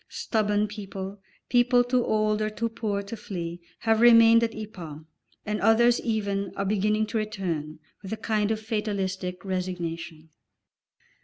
Stubborn people, people too old or too poor to flee, have remained at Ypres, and others even are beginning to return, with a kind of fatalistic resignation.